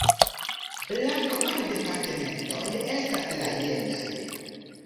La kvar departementoj estas la jenaj:.